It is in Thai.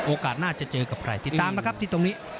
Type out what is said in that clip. โอกาสน่าจะเจอกับใครติดตามนะครับที่ตรงนี้